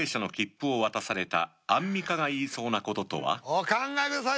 お考えください